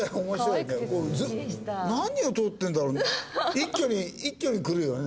一挙に一挙にくるよね